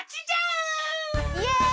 イエイ！